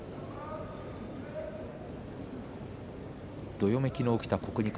どよめきの起きた国技館